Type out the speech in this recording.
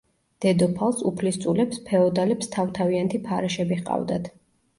დედოფალს, უფლისწულებს, ფეოდალებს თავ-თავიანთი ფარეშები ჰყავდათ.